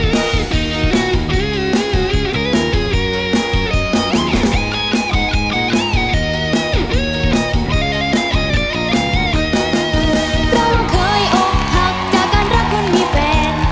เราเคยอกหักจากการรักคนมีแฟน